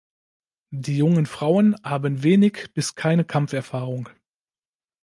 Die jungen Frauen haben wenig bis keine Kampferfahrung.